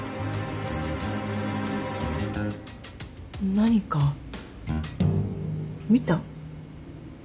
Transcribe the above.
何か見た？